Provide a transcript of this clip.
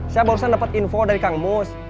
saya baru saja dapat info dari kang mus